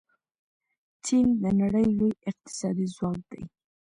چین د نړۍ لوی اقتصادي ځواک دی.